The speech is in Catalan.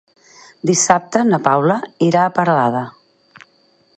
Dissabte na Paula irà a Peralada.